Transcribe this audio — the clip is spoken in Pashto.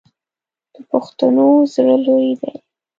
د پښتنو زړه لوی دی.